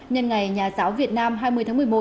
nhân ngày nhà giáo việt nam hai mươi tháng một mươi một